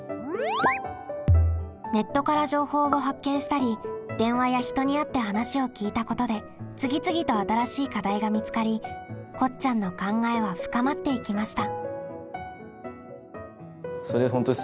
ネットから情報を発見したり電話や人に会って話を聞いたことで次々と新しい課題が見つかりこっちゃんの考えは深まっていきました。